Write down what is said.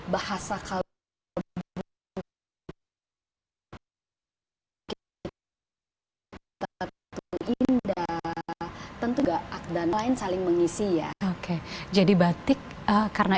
bahasa kalau kita tetap itu indah tentu gak ak dan lain saling mengisi ya oke jadi batik karena